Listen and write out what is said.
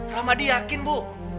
rahmadi yakin bu